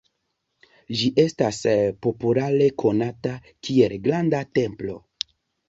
Ĝi estas populare konata kiel "granda templo".